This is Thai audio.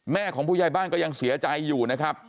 แม่ของผู้ใหญ่บ้านก็ยังเสียใจอยู่นะครับ